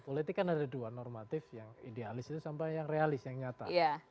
politik kan ada dua normatif yang idealis itu sampai yang realis yang nyata